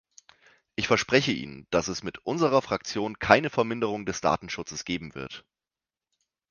Ich verspreche Ihnen, dass es mit unserer Fraktion keine Verminderung des Datenschutzes geben wird.